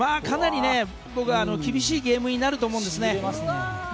かなり僕は厳しいゲームになると思うんですね。